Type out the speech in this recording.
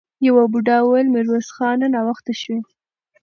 يوه بوډا وويل: ميرويس خانه! ناوخته شوې!